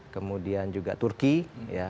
kemudian juga turki ya